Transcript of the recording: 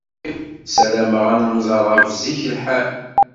Ssarameɣ ad nemẓer ɣef zik lḥal.